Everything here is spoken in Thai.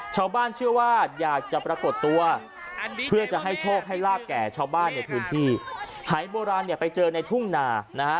ชาวบ้านเชื่อว่าอยากจะปรากฏตัวเพื่อจะให้โชคให้ลาบแก่ชาวบ้านในพื้นที่หายโบราณเนี่ยไปเจอในทุ่งนานะฮะ